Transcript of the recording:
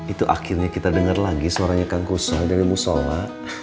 itu akhirnya kita dengar lagi suaranya kang gusang dari musola